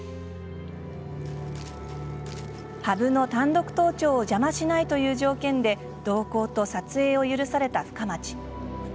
羽生の単独登頂を邪魔しないという条件で同行と撮影を許された深町。